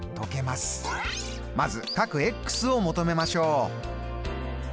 まずを求めましょう。